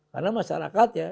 karena masyarakat ya